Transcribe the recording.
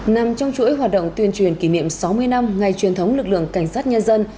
nằm trong chuỗi hoạt động tuyên truyền kỷ niệm sáu mươi năm ngày truyền thống lực lượng cảnh sát nhân dân